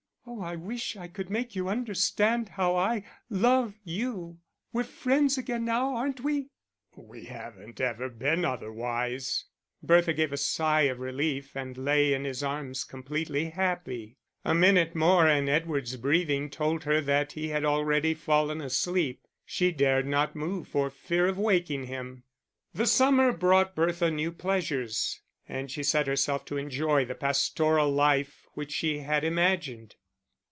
Oh, I wish I could make you understand how I love you.... We're friends again now, aren't we?" "We haven't ever been otherwise." Bertha gave a sigh of relief, and lay in his arms completely happy. A minute more and Edward's breathing told her that he had already fallen asleep; she dared not move for fear of waking him. The summer brought Bertha new pleasures, and she set herself to enjoy the pastoral life which she had imagined.